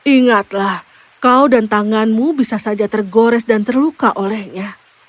ingatlah kau dan tanganmu bisa saja tergores dan terluka olehnya